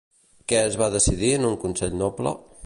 Què es va decidir en un consell noble?